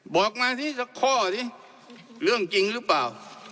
บอกมาสิสักข้อสิเรื่องจริงหรือเปล่า